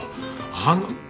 あの。